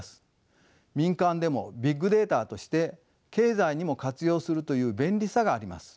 民間でもビッグデータとして経済にも活用するという便利さがあります。